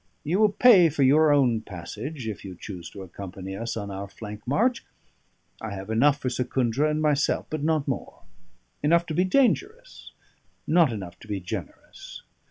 You will pay for your own passage, if you choose to accompany us on our flank march; I have enough for Secundra and myself, but not more enough to be dangerous, not enough to be generous.